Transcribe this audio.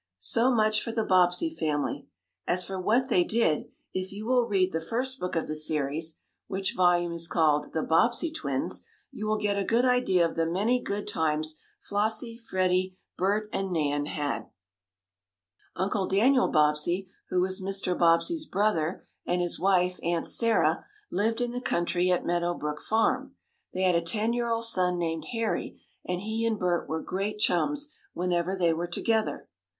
So much for the Bobbsey family. As for what they did, if you will read the first book of the series, which volume is called "The Bobbsey Twins," you will get a good idea of the many good times Flossie, Freddie, Bert and Nan had. Uncle Daniel Bobbsey, who was Mr. Bobbsey's brother, and his wife, Aunt Sarah, lived in the country at Meadow Brook Farm. They had a ten year old son, named Harry, and he and Bert were great chums whenever they were together.